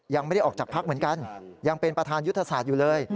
ยังไม่ได้ออกจากพักเหมือนกันยังเป็นประธานยุทธศาสตร์อยู่เลย